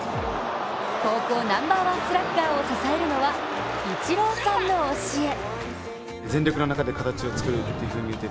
高校ナンバーワンスラッガーを支えるのはイチローさんの教え。